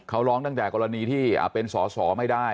เขาร้องตั้งแต่กรณีที่เป็นสอสอไม่ได้